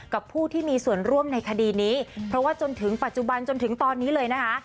ผู้ที่มีส่วนร่วมในคดีนี้เพราะว่าจนถึงปัจจุบันจนถึงตอนนี้เลยนะคะ